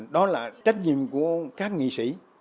đó là trách nhiệm của các nghị sĩ